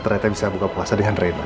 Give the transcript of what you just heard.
ternyata bisa buka puasa dengan reina ya